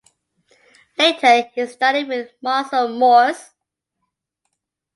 Later he studied with Marcel Moyse.